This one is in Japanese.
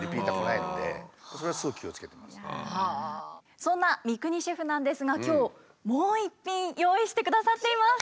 そんな三國シェフなんですが今日もう一品用意してくださっています。